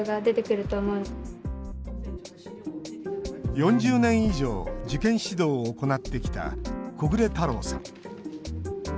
４０年以上受験指導を行ってきた木暮太郎さん。